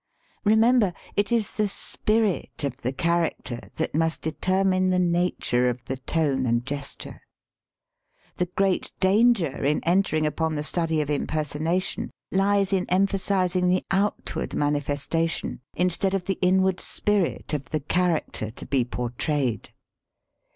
Remember, it is the spirit of the character that must determine the nature of the tone and gesture. The great danger in entering upon the study of impersonation lies in emphasizing the outward manifesta tion instead of the inward spirit of the char 203 THE SPEAKING VOICE acter to be portrayed.